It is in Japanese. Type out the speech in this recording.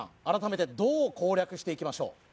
改めてどう攻略していきましょう